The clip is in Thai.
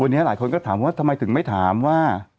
วันนี้หลายคนก็ถามว่าทำไมถึงไม่ถามว่า